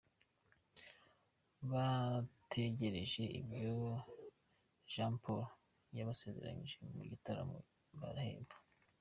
Bategereje ibyo Jamporo yabasezeranyije mu gitaramo baraheba